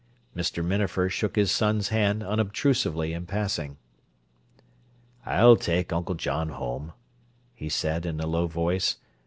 Mr. Minafer shook his son's hand unobtrusively in passing. "I'll take Uncle John home," he said, in a low voice.